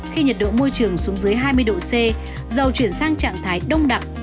khi nhiệt độ môi trường xuống dưới hai mươi độ c dầu chuyển sang trạng thái đông đặc